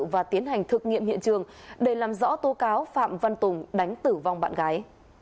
và tiến hành thực nghiệm hiện trường để làm rõ tố cáo phạm văn tùng đánh tử vong bạn gái